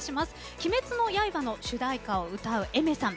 「鬼滅の刃」の主題歌を歌うＡｉｍｅｒさん